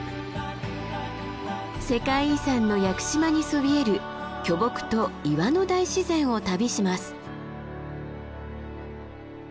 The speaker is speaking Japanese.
世界遺産の屋久島にそびえる巨木と岩の大自然を旅します。